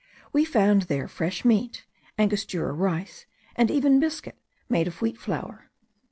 We found there fresh meat, Angostura rice, and even biscuit made of wheat flour.